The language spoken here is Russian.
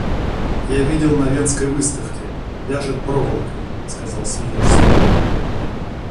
Я видел на Венской выставке, вяжет проволокой, — сказал Свияжский.